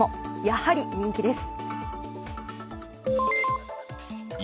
やはり人気です。